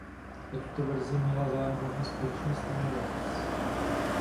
O tuto verzi měla zájem hlavně společnost Emirates.